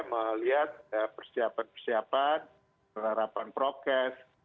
melihat persiapan persiapan penerapan prokes